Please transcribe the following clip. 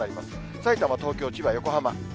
さいたま、東京、千葉、横浜。